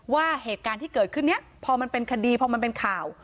ว่าเหตุการณ์ที่เกิดขึ้นนี้พอมันเป็นคดีพอมันเป็นข่าว